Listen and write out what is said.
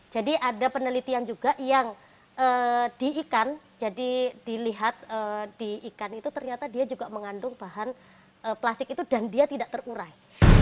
jadi ada penelitian juga yang di ikan jadi dilihat di ikan itu ternyata dia juga mengandung bahan plastik itu dan dia tidak terurai